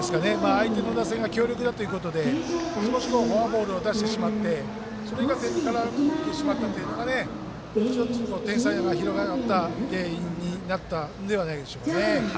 相手の打線が強力だということで少しフォアボールを出してしまってそれが点に絡んでしまったので点差が広がった原因になったんではないでしょうかね。